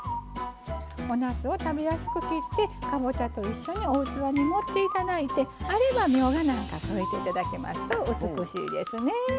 おなすを食べやすく切ってかぼちゃと一緒にお器に盛って頂いてあればみょうがなんか添えて頂けますと美しいですね。